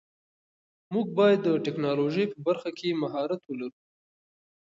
موږ باید د ټیکنالوژۍ په برخه کې مهارت ولرو.